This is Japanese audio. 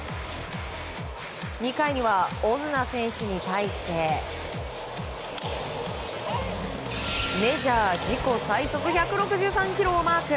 ２回にはオズナ選手に対してメジャー自己最速１６３キロをマーク。